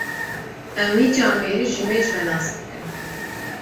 Em wî camêrî ji mêj ve nasdikin.